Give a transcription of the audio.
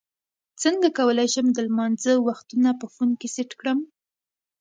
څنګه کولی شم د لمانځه وختونه په فون کې سیټ کړم